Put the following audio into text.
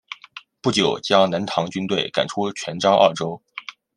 不久将南唐军队赶出泉漳二州。